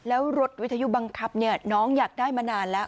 แล้วรถวิทยุบังคับน้องอยากได้มานานแล้ว